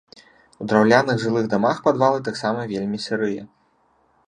У драўляных жылых дамах падвалы таксама вельмі сырыя.